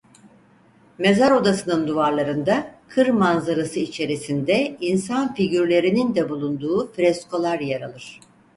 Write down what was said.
Mezar odasının duvarlarında kır manzarası içerisinde insan figürlerinin de bulunduğu freskolar yer alır.